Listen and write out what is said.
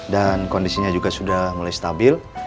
dan kondisinya juga sudah mulai stabil